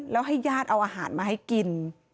แล้วให้ญาติเอาอาหารมาให้กิน